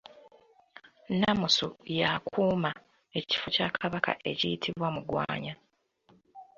Nnamusu y’akuuma ekifo kya Kabaka ekiyitibwa Mugwanya.